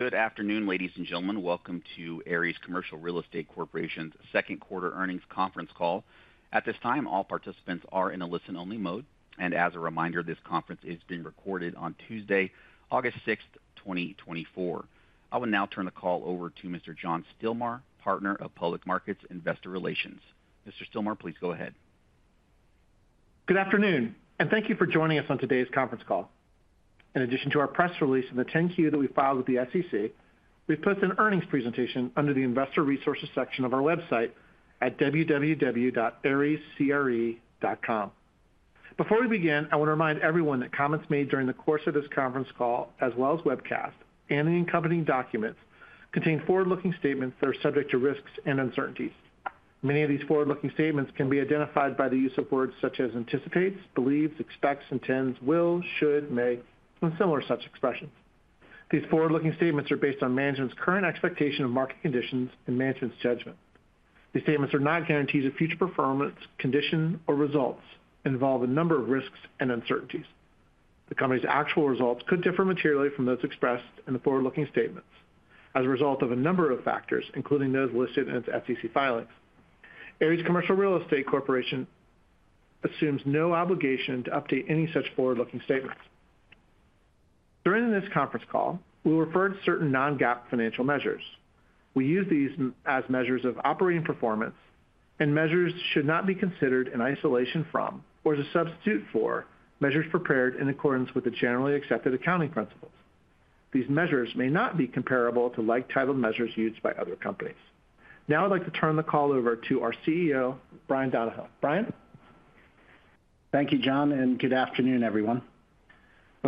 Good afternoon, ladies and gentlemen. Welcome to Ares Commercial Real Estate Corporation's second quarter earnings conference call. At this time, all participants are in a listen-only mode, and as a reminder, this conference is being recorded on Tuesday, August sixth, 2024. I will now turn the call over to Mr. John Stilmar, Partner of Public Markets Investor Relations. Mr. Stilmar, please go ahead. Good afternoon, and thank you for joining us on today's conference call. In addition to our press release and the 10-Q that we filed with the SEC, we've put an earnings presentation under the Investor Resources section of our website at www.arescre.com. Before we begin, I want to remind everyone that comments made during the course of this conference call, as well as webcast and the accompanying documents, contain forward-looking statements that are subject to risks and uncertainties. Many of these forward-looking statements can be identified by the use of words such as anticipates, believes, expects, intends, will, should, may, and similar such expressions. These forward-looking statements are based on management's current expectation of market conditions and management's judgment. These statements are not guarantees of future performance, condition, or results, and involve a number of risks and uncertainties. The company's actual results could differ materially from those expressed in the forward-looking statements as a result of a number of factors, including those listed in its SEC filings. Ares Commercial Real Estate Corporation assumes no obligation to update any such forward-looking statements. During this conference call, we will refer to certain non-GAAP financial measures. We use these measures as measures of operating performance, and measures should not be considered in isolation from or as a substitute for measures prepared in accordance with the generally accepted accounting principles. These measures may not be comparable to like-titled measures used by other companies. Now I'd like to turn the call over to our CEO, Bryan Donohoe. Bryan? Thank you, John, and good afternoon, everyone.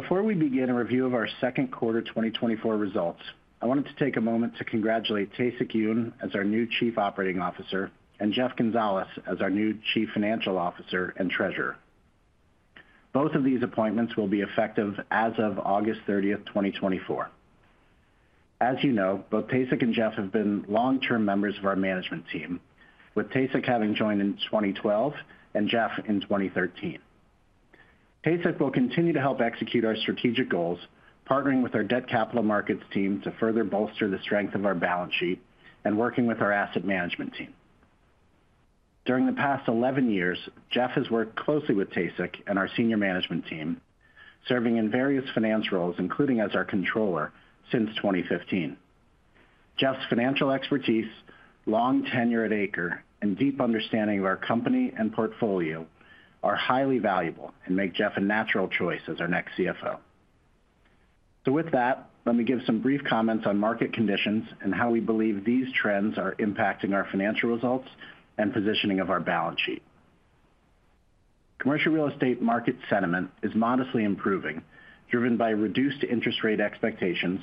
Before we begin a review of our second quarter 2024 results, I wanted to take a moment to congratulate Tae-Sik Yoon as our new Chief Operating Officer, and Jeff Gonzales as our new Chief Financial Officer and Treasurer. Both of these appointments will be effective as of August 30, 2024. As you know, both Tae-Sik and Jeff have been long-term members of our management team, with Tae-Sik having joined in 2012 and Jeff in 2013. Tae-Sik will continue to help execute our strategic goals, partnering with our debt capital markets team to further bolster the strength of our balance sheet and working with our asset management team. During the past 11 years, Jeff has worked closely with Tae-Sik and our senior management team, serving in various finance roles, including as our controller, since 2015. Jeff's financial expertise, long tenure at ACRE, and deep understanding of our company and portfolio are highly valuable and make Jeff a natural choice as our next CFO. With that, let me give some brief comments on market conditions and how we believe these trends are impacting our financial results and positioning of our balance sheet. Commercial real estate market sentiment is modestly improving, driven by reduced interest rate expectations,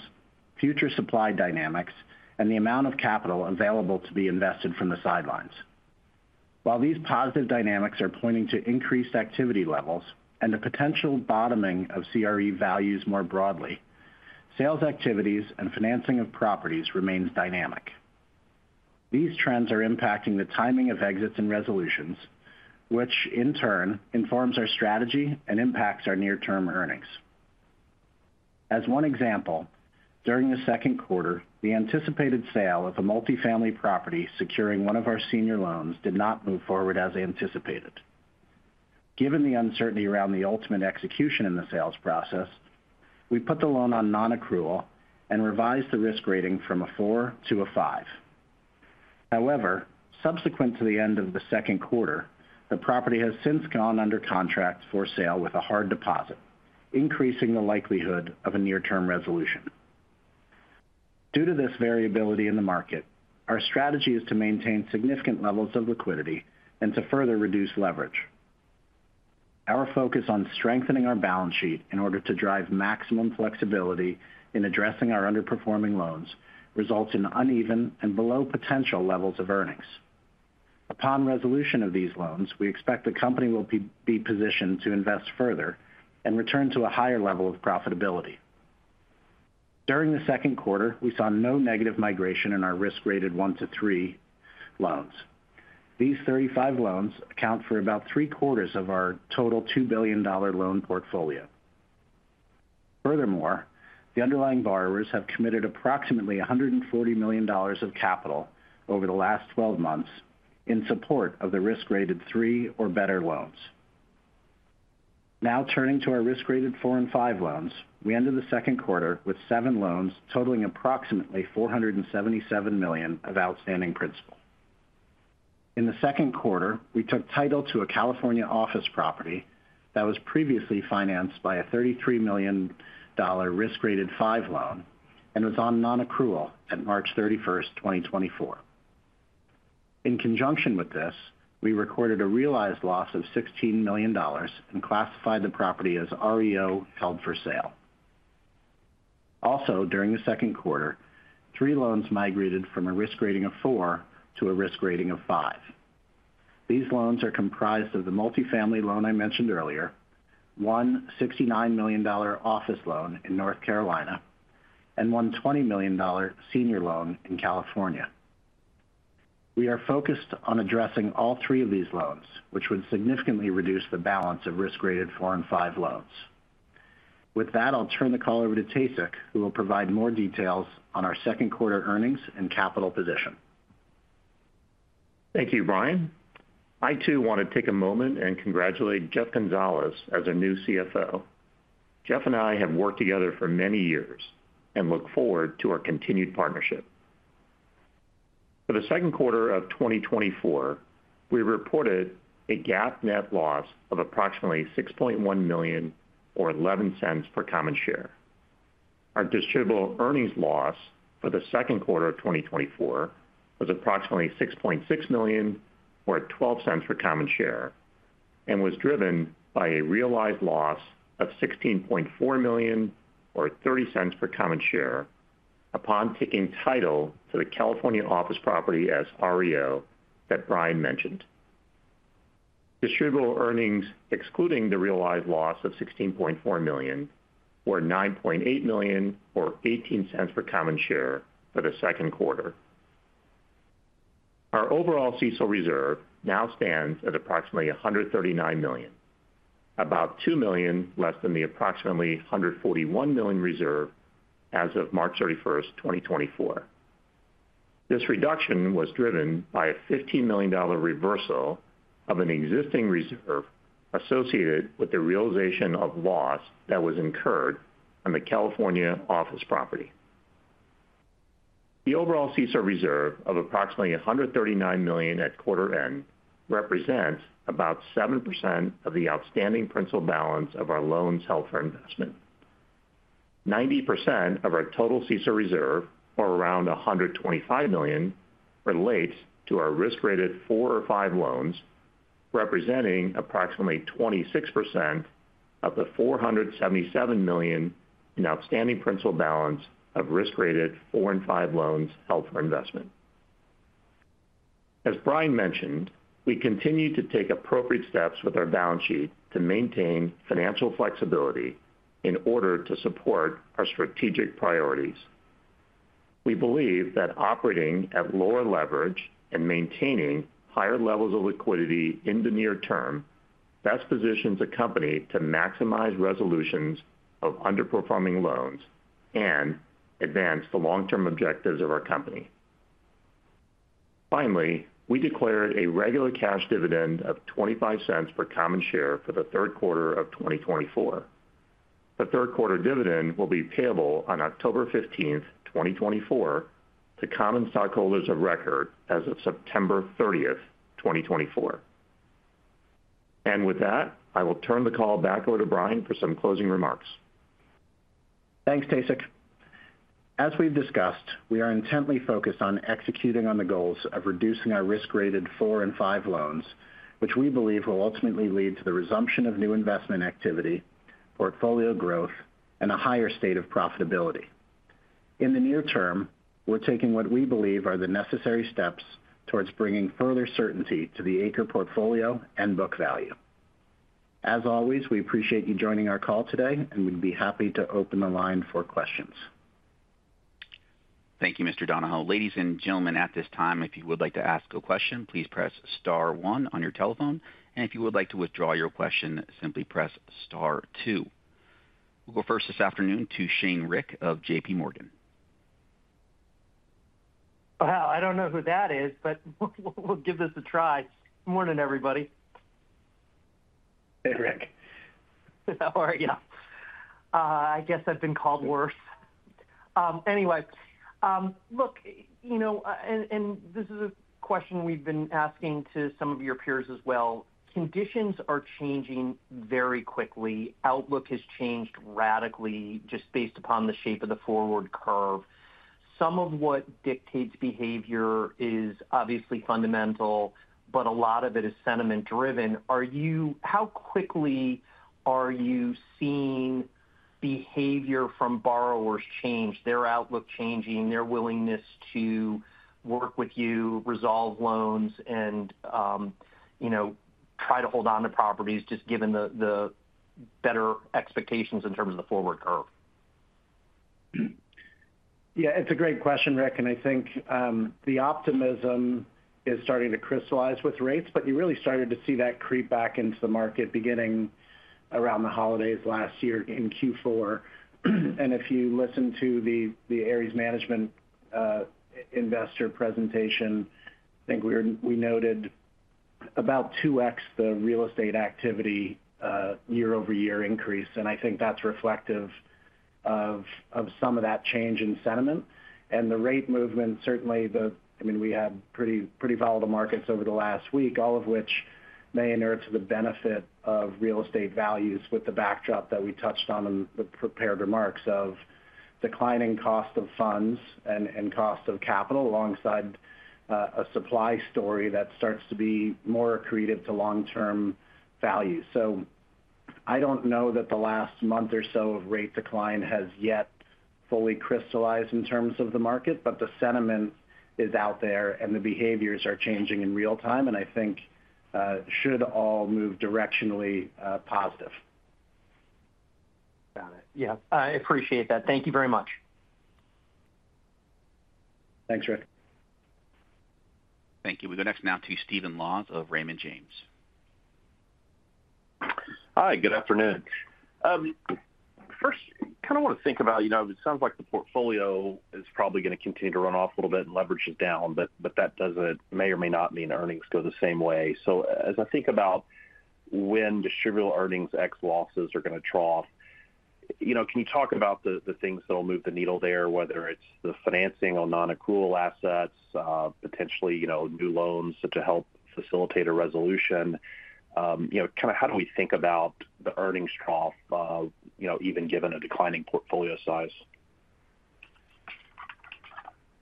future supply dynamics, and the amount of capital available to be invested from the sidelines. While these positive dynamics are pointing to increased activity levels and the potential bottoming of CRE values more broadly, sales activities and financing of properties remains dynamic. These trends are impacting the timing of exits and resolutions, which in turn informs our strategy and impacts our near-term earnings. As one example, during the second quarter, the anticipated sale of a multifamily property securing one of our senior loans did not move forward as anticipated. Given the uncertainty around the ultimate execution in the sales process, we put the loan on nonaccrual and revised the risk rating from a four to a five. However, subsequent to the end of the second quarter, the property has since gone under contract for sale with a hard deposit, increasing the likelihood of a near-term resolution. Due to this variability in the market, our strategy is to maintain significant levels of liquidity and to further reduce leverage. Our focus on strengthening our balance sheet in order to drive maximum flexibility in addressing our underperforming loans results in uneven and below potential levels of earnings. Upon resolution of these loans, we expect the company will be positioned to invest further and return to a higher level of profitability. During the second quarter, we saw no negative migration in our risk-graded 1 to 3 loans. These 35 loans account for about three-quarters of our total $2 billion loan portfolio. Furthermore, the underlying borrowers have committed approximately $140 million of capital over the last 12 months in support of the risk-graded 3 or better loans. Now, turning to our risk-graded 4 and 5 loans, we ended the second quarter with 7 loans totaling approximately $477 million of outstanding principal. In the second quarter, we took title to a California office property that was previously financed by a $33 million risk-graded 5 loan and was on nonaccrual at March 31, 2024. In conjunction with this, we recorded a realized loss of $16 million and classified the property as REO held for sale. Also, during the second quarter, 3 loans migrated from a risk rating of 4 to a risk rating of 5. These loans are comprised of the multifamily loan I mentioned earlier, $169 million office loan in North Carolina, and $20 million senior loan in California.... We are focused on addressing all 3 of these loans, which would significantly reduce the balance of risk-graded 4 and 5 loans. With that, I'll turn the call over to Tae-Sik, who will provide more details on our second quarter earnings and capital position. Thank you, Bryan. I, too, want to take a moment and congratulate Jeff Gonzales as our new CFO. Jeff and I have worked together for many years and look forward to our continued partnership. For the second quarter of 2024, we reported a GAAP net loss of approximately $6.1 million, or $0.11 per common share. Our distributable earnings loss for the second quarter of 2024 was approximately $6.6 million, or $0.12 per common share, and was driven by a realized loss of $16.4 million, or $0.30 per common share, upon taking title to the California office property as REO that Bryan mentioned. Distributable earnings, excluding the realized loss of $16.4 million, were $9.8 million, or $0.18 per common share for the second quarter. Our overall CECL reserve now stands at approximately $139 million, about $2 million less than the approximately $141 million reserve as of March 31st, 2024. This reduction was driven by a $15 million reversal of an existing reserve associated with the realization of loss that was incurred on the California office property. The overall CECL reserve of approximately $139 million at quarter end represents about 7% of the outstanding principal balance of our loans held for investment. Ninety percent of our total CECL reserve, or around $125 million, relates to our risk-rated four or five loans, representing approximately 26% of the $477 million in outstanding principal balance of risk-rated four and five loans held for investment. As Bryan mentioned, we continue to take appropriate steps with our balance sheet to maintain financial flexibility in order to support our strategic priorities. We believe that operating at lower leverage and maintaining higher levels of liquidity in the near term best positions a company to maximize resolutions of underperforming loans and advance the long-term objectives of our company. Finally, we declared a regular cash dividend of $0.25 per common share for the third quarter of 2024. The third quarter dividend will be payable on October 15th, 2024, to common stockholders of record as of September 30th, 2024. With that, I will turn the call back over to Bryan for some closing remarks. Thanks, Tae-Sik. As we've discussed, we are intently focused on executing on the goals of reducing our risk-rated four and five loans, which we believe will ultimately lead to the resumption of new investment activity, portfolio growth, and a higher state of profitability. In the near term, we're taking what we believe are the necessary steps towards bringing further certainty to the ACRE portfolio and book value. As always, we appreciate you joining our call today, and we'd be happy to open the line for questions. Thank you, Mr. Donohoe. Ladies and gentlemen, at this time, if you would like to ask a question, please press star one on your telephone, and if you would like to withdraw your question, simply press star two. We'll go first this afternoon to Rick Shane of J.P. Morgan. Well, I don't know who that is, but we'll, we'll give this a try. Morning, everybody. Hey, Rick. How are you? I guess I've been called worse. Anyway, look, you know, and this is a question we've been asking to some of your peers as well. Conditions are changing very quickly. Outlook has changed radically just based upon the shape of the forward curve. Some of what dictates behavior is obviously fundamental, but a lot of it is sentiment driven. Are you, how quickly are you seeing behavior from borrowers change, their outlook changing, their willingness to work with you, resolve loans, and, you know, try to hold on to properties, just given the better expectations in terms of the forward curve? Yeah, it's a great question, Rick, and I think the optimism is starting to crystallize with rates, but you really started to see that creep back into the market beginning around the holidays last year in Q4. And if you listen to the Ares Management investor presentation, I think we noted about 2x the real estate activity year-over-year increase, and I think that's reflective of some of that change in sentiment. And the rate movement, certainly I mean, we had pretty volatile markets over the last week, all of which may inure to the benefit of real estate values with the backdrop that we touched on in the prepared remarks of declining cost of funds and cost of capital, alongside a supply story that starts to be more accretive to long-term value. So I don't know that the last month or so of rate decline has yet fully crystallized in terms of the market, but the sentiment is out there and the behaviors are changing in real time, and I think should all move directionally positive.... Yeah, I appreciate that. Thank you very much. Thanks, Rick. Thank you. We go next now to Stephen Laws of Raymond James. Hi, good afternoon. First, kind of want to think about, you know, it sounds like the portfolio is probably going to continue to run off a little bit and leverage it down, but may or may not mean earnings go the same way. So as I think about when distributable earnings ex losses are going to trough, you know, can you talk about the things that will move the needle there, whether it's the financing on nonaccrual assets, potentially, you know, new loans to help facilitate a resolution? You know, kind of how do we think about the earnings trough, you know, even given a declining portfolio size?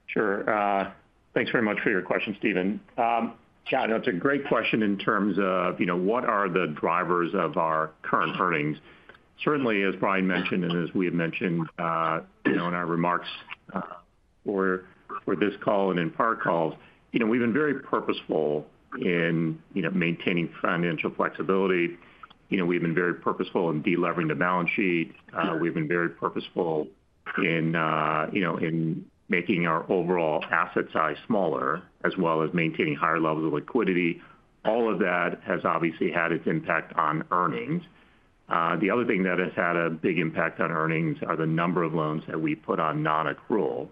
Sure. Thanks very much for your question, Stephen. Yeah, no, it's a great question in terms of, you know, what are the drivers of our current earnings? Certainly, as Bryan mentioned, and as we have mentioned, you know, in our remarks, for, for this call and in prior calls, you know, we've been very purposeful in, you know, maintaining financial flexibility. You know, we've been very purposeful in delevering the balance sheet. We've been very purposeful in, you know, in making our overall asset size smaller, as well as maintaining higher levels of liquidity. All of that has obviously had its impact on earnings. The other thing that has had a big impact on earnings are the number of loans that we put on nonaccrual,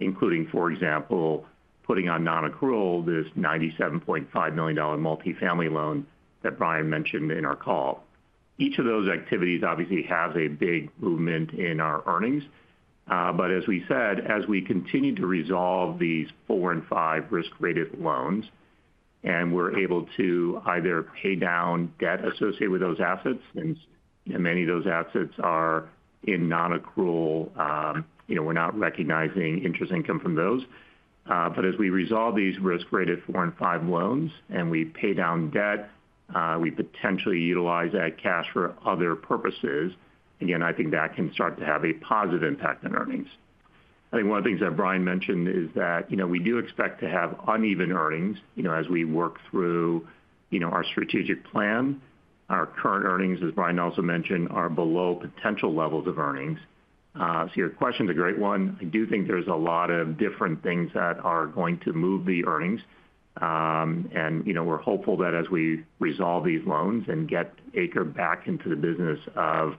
including, for example, putting on nonaccrual this $97.5 million multifamily loan that Bryan mentioned in our call. Each of those activities obviously has a big movement in our earnings. But as we said, as we continue to resolve these 4 and 5 risk-rated loans, and we're able to either pay down debt associated with those assets, and many of those assets are in nonaccrual, you know, we're not recognizing interest income from those. But as we resolve these risk-rated 4 and 5 loans and we pay down debt, we potentially utilize that cash for other purposes. Again, I think that can start to have a positive impact on earnings. I think one of the things that Brian mentioned is that, you know, we do expect to have uneven earnings, you know, as we work through, you know, our strategic plan. Our current earnings, as Brian also mentioned, are below potential levels of earnings. So your question is a great one. I do think there's a lot of different things that are going to move the earnings. And, you know, we're hopeful that as we resolve these loans and get ACRE back into the business of,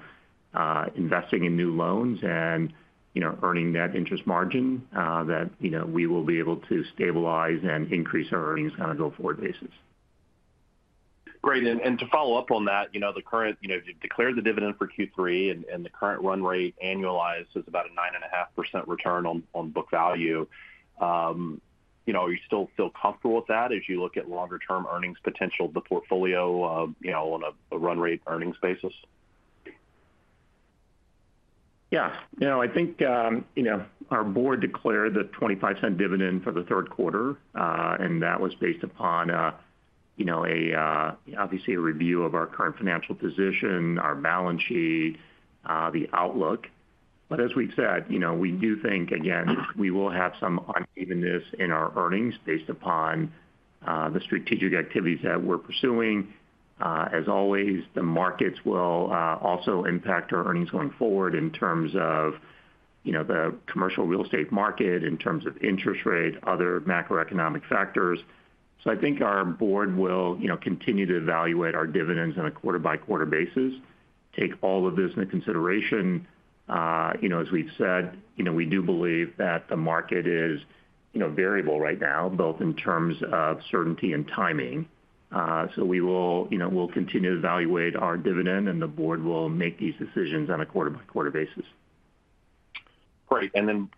investing in new loans and, you know, earning that interest margin, that, you know, we will be able to stabilize and increase our earnings on a go-forward basis. Great. And to follow up on that, you know, the current, you know, you declared the dividend for Q3, and the current run rate annualized is about a 9.5% return on book value. You know, are you still feel comfortable with that as you look at longer-term earnings potential of the portfolio, you know, on a run rate earnings basis? Yeah. You know, I think, you know, our board declared the $0.25 dividend for the third quarter, and that was based upon, you know, obviously a review of our current financial position, our balance sheet, the outlook. But as we've said, you know, we do think, again, we will have some unevenness in our earnings based upon, the strategic activities that we're pursuing. As always, the markets will, also impact our earnings going forward in terms of, you know, the commercial real estate market, in terms of interest rates, other macroeconomic factors. So I think our board will, you know, continue to evaluate our dividends on a quarter-by-quarter basis, take all of this into consideration. You know, as we've said, you know, we do believe that the market is, you know, variable right now, both in terms of certainty and timing. So we will, you know, we'll continue to evaluate our dividend, and the board will make these decisions on a quarter-by-quarter basis. Great. And then,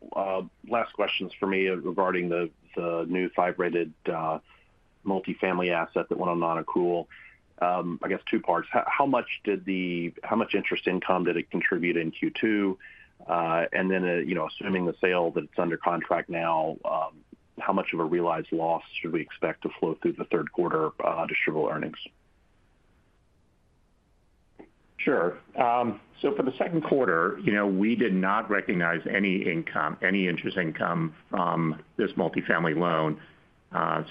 last questions for me regarding the new 5-rated multifamily asset, the one on nonaccrual. I guess two parts. How much interest income did it contribute in Q2? And then, you know, assuming the sale that it's under contract now, how much of a realized loss should we expect to flow through the third quarter distributable earnings? Sure. So for the second quarter, you know, we did not recognize any income, any interest income from this multifamily loan.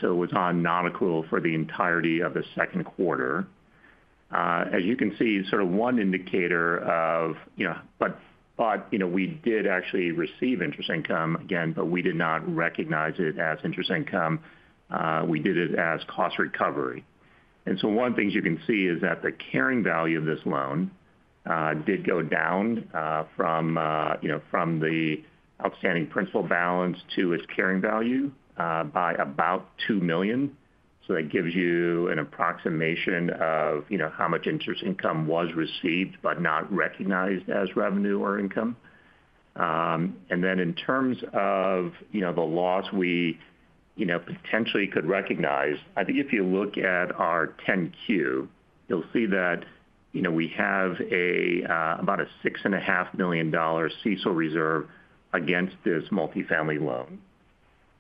So it was on nonaccrual for the entirety of the second quarter. As you can see, sort of one indicator of, you know, but you know, we did actually receive interest income again, but we did not recognize it as interest income. We did it as cost recovery. And so one of the things you can see is that the carrying value of this loan did go down, from you know from the outstanding principal balance to its carrying value by about $2 million. So that gives you an approximation of, you know, how much interest income was received, but not recognized as revenue or income. And then in terms of, you know, the loss we, you know, potentially could recognize, I think if you look at our 10-Q, you'll see that, you know, we have about a $6.5 million CECL reserve against this multifamily loan.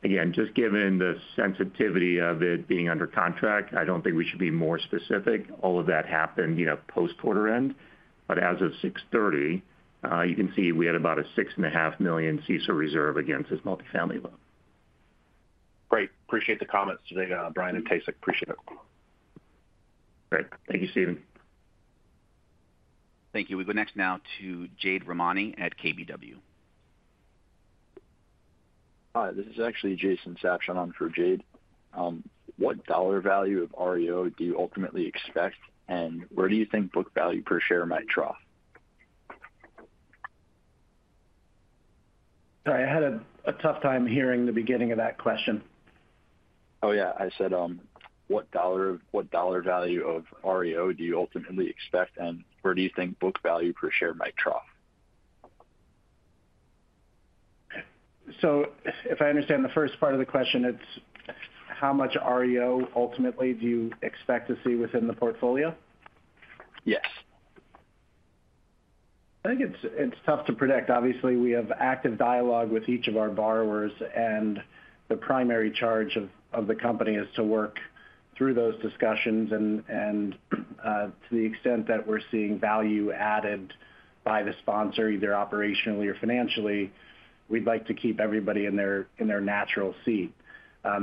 Again, just given the sensitivity of it being under contract, I don't think we should be more specific. All of that happened, you know, post-quarter end. But as of June 30, you can see we had about a $6.5 million CECL reserve against this multifamily loan. Great. Appreciate the comments today, Bryan and Tae-Sik. Appreciate it.... Great. Thank you, Steve. Thank you. We go next now to Jade Rahmani at KBW. Hi, this is actually Jason Sabshon on for Jade. What dollar value of REO do you ultimately expect, and where do you think book value per share might trough? Sorry, I had a tough time hearing the beginning of that question. Oh, yeah, I said, what dollar, what dollar value of REO do you ultimately expect, and where do you think book value per share might trough? So if I understand the first part of the question, it's how much REO ultimately do you expect to see within the portfolio? Yes. I think it's tough to predict. Obviously, we have active dialogue with each of our borrowers, and the primary charge of the company is to work through those discussions. And to the extent that we're seeing value added by the sponsor, either operationally or financially, we'd like to keep everybody in their natural seat.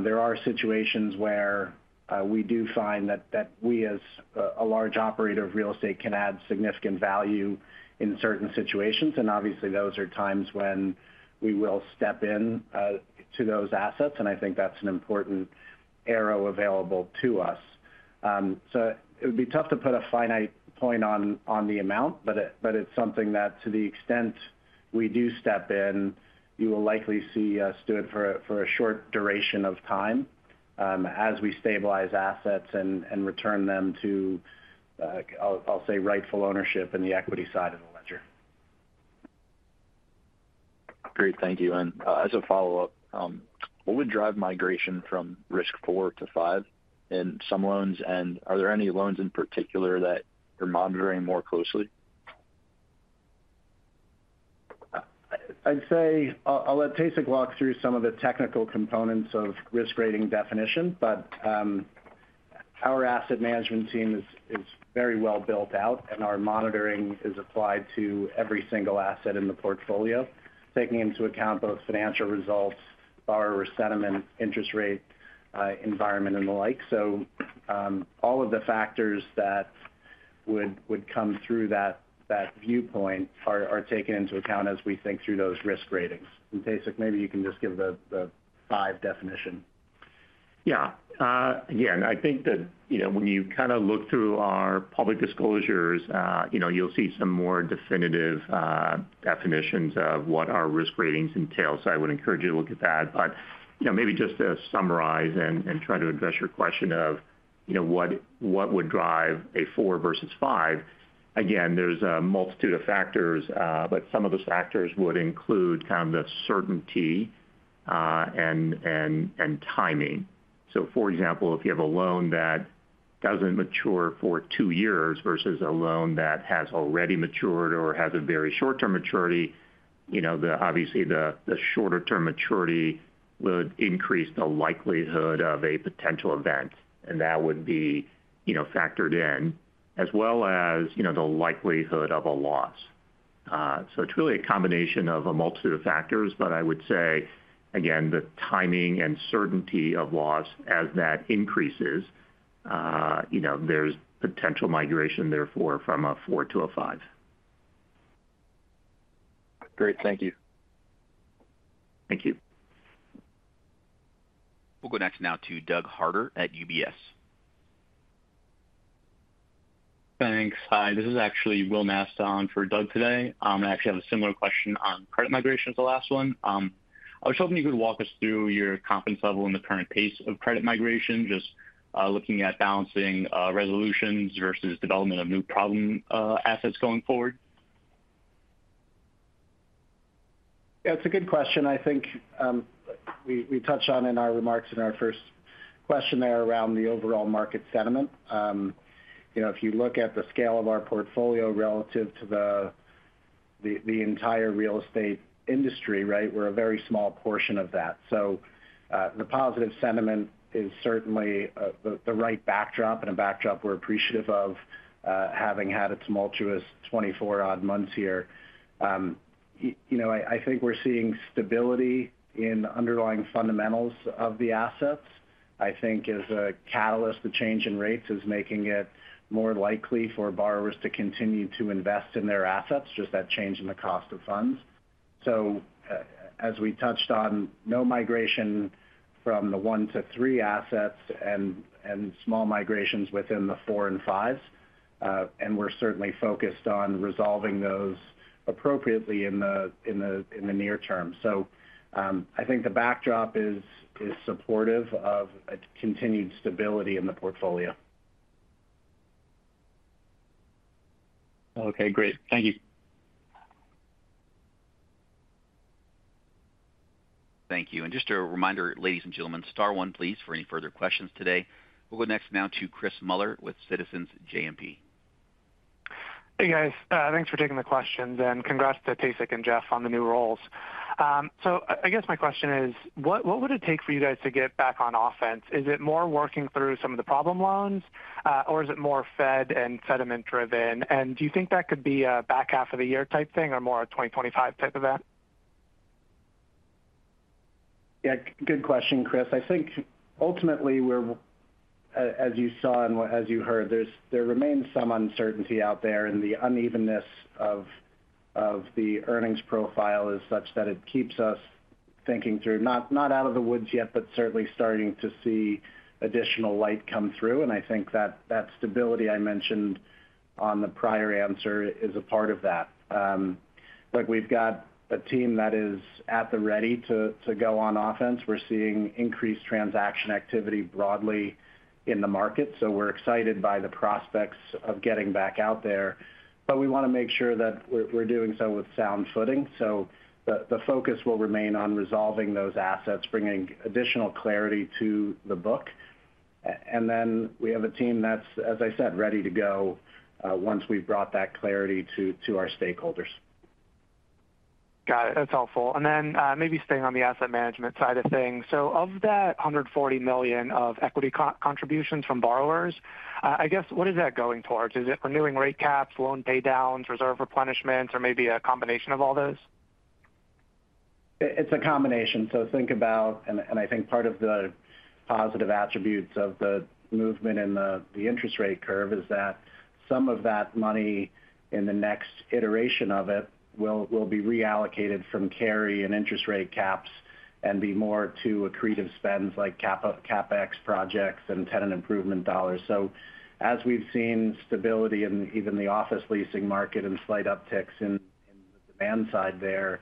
There are situations where we do find that we, as a large operator of real estate, can add significant value in certain situations, and obviously, those are times when we will step in to those assets, and I think that's an important arrow available to us. So it would be tough to put a finite point on the amount, but it's something that to the extent we do step in, you will likely see us do it for a short duration of time, as we stabilize assets and return them to, I'll say, rightful ownership in the equity side of the ledger. Great. Thank you. And, as a follow-up, what would drive migration from risk 4 to 5 in some loans, and are there any loans in particular that you're monitoring more closely? I'd say, I'll let Tae-Sik walk through some of the technical components of risk rating definition, but our asset management team is very well built out, and our monitoring is applied to every single asset in the portfolio, taking into account both financial results, borrower sentiment, interest rate environment, and the like. So, all of the factors that would come through that viewpoint are taken into account as we think through those risk ratings. And, Tae-Sik, maybe you can just give the five definition. Yeah. Yeah, and I think that, you know, when you kind of look through our public disclosures, you know, you'll see some more definitive definitions of what our risk ratings entail, so I would encourage you to look at that. But, you know, maybe just to summarize and try to address your question of, you know, what would drive a four versus five, again, there's a multitude of factors, but some of those factors would include kind of the certainty and timing. So, for example, if you have a loan that doesn't mature for two years versus a loan that has already matured or has a very short-term maturity, you know, obviously, the shorter term maturity would increase the likelihood of a potential event, and that would be, you know, factored in, as well as, you know, the likelihood of a loss. So it's really a combination of a multitude of factors, but I would say, again, the timing and certainty of loss as that increases, you know, there's potential migration, therefore, from a four to a five. Great. Thank you. Thank you. We'll go next now to Doug Harter at UBS. Thanks. Hi, this is actually Will Mast on for Doug today. I actually have a similar question on credit migration as the last one. I was hoping you could walk us through your confidence level in the current pace of credit migration, just looking at balancing resolutions versus development of new problem assets going forward? Yeah, it's a good question. I think we touched on in our remarks in our first question there around the overall market sentiment. You know, if you look at the scale of our portfolio relative to the entire real estate industry, right? We're a very small portion of that. So, the positive sentiment is certainly the right backdrop and a backdrop we're appreciative of, having had a tumultuous 24-odd months here. You know, I think we're seeing stability in the underlying fundamentals of the assets. I think as a catalyst, the change in rates is making it more likely for borrowers to continue to invest in their assets, just that change in the cost of funds. So as we touched on, no migration from the one to three assets and small migrations within the four and fives. And we're certainly focused on resolving those appropriately in the near term. So I think the backdrop is supportive of a continued stability in the portfolio. Okay, great. Thank you. Thank you. Just a reminder, ladies and gentlemen, star one, please, for any further questions today. We'll go next now to Chris Muller with Citizens JMP. Hey, guys, thanks for taking the questions, and congrats to Tae-Sik and Jeff on the new roles. So I guess my question is: What would it take for you guys to get back on offense? Is it more working through some of the problem loans, or is it more Fed and sentiment-driven? And do you think that could be a back half of the year type thing or more a 2025 type event?... Yeah, good question, Chris. I think ultimately, we're as you saw and as you heard, there remains some uncertainty out there, and the unevenness of the earnings profile is such that it keeps us thinking through. Not out of the woods yet, but certainly starting to see additional light come through. And I think that stability I mentioned on the prior answer is a part of that. Look, we've got a team that is at the ready to go on offense. We're seeing increased transaction activity broadly in the market, so we're excited by the prospects of getting back out there. But we want to make sure that we're doing so with sound footing. So the focus will remain on resolving those assets, bringing additional clarity to the book. and then we have a team that's, as I said, ready to go, once we've brought that clarity to, to our stakeholders. Got it. That's helpful. And then, maybe staying on the asset management side of things. So of that $140 million of equity co-contributions from borrowers, I guess, what is that going towards? Is it renewing rate caps, loan pay downs, reserve replenishment, or maybe a combination of all those? It's a combination. So think about—and I think part of the positive attributes of the movement in the interest rate curve is that some of that money in the next iteration of it will be reallocated from carry and interest rate caps and be more to accretive spends, like CapEx projects and tenant improvement dollars. So as we've seen stability in even the office leasing market and slight upticks in the demand side there,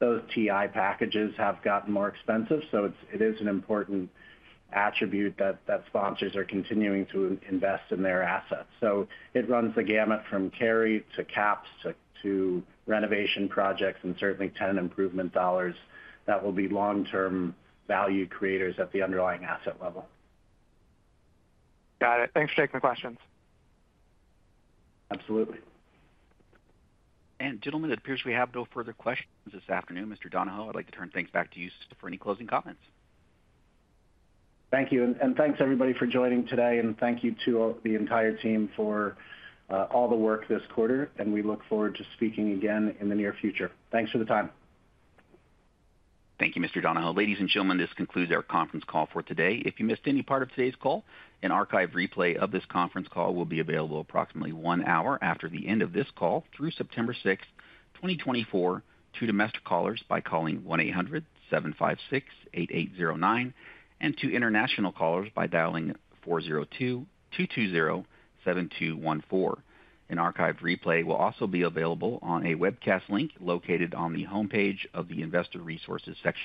those TI packages have gotten more expensive, so it is an important attribute that sponsors are continuing to invest in their assets. So it runs the gamut from carry to caps to renovation projects and certainly tenant improvement dollars that will be long-term value creators at the underlying asset level. Got it. Thanks, Jake, for the questions. Absolutely. Gentlemen, it appears we have no further questions this afternoon. Mr. Donohoe, I'd like to turn things back to you for any closing comments. Thank you. And thanks everybody for joining today, and thank you to all the entire team for all the work this quarter, and we look forward to speaking again in the near future. Thanks for the time. Thank you, Mr. Donohoe. Ladies and gentlemen, this concludes our conference call for today. If you missed any part of today's call, an archived replay of this conference call will be available approximately one hour after the end of this call through September sixth, 2024, to domestic callers by calling 1-800-756-8809, and to international callers by dialing 402-220-7214. An archived replay will also be available on a webcast link located on the homepage of the Investor Resources section.